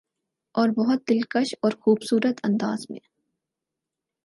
اور بہت دلکش اورخوبصورت انداز میں